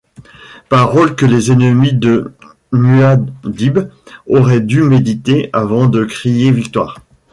Paroles que les ennemis de Muad'Dib auraient dû méditer avant de crier victoire.